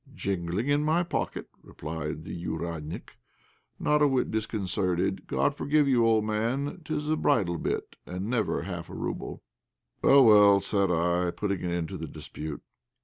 "Jingling in my pocket?" replied the "ouriadnik," not a whit disconcerted; "God forgive you, old man, 'tis a bridlebit, and never a half rouble." "Well! well!" said I, putting an end to the dispute.